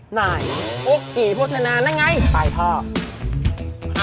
โฮกกี้โภทชะนานไหนวะ